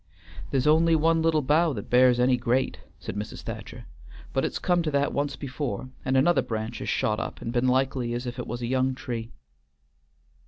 "There's only one little bough that bears any great," said Mrs. Thacher, "but it's come to that once before, and another branch has shot up and been likely as if it was a young tree."